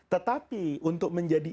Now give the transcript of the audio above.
tetapi untuk menjadi